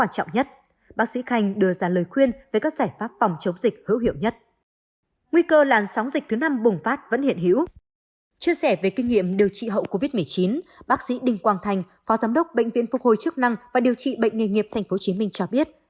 chia sẻ về kinh nghiệm điều trị hậu covid một mươi chín bác sĩ đinh quang thành phó giám đốc bệnh viện phục hồi chức năng và điều trị bệnh nghề nghiệp tp hcm cho biết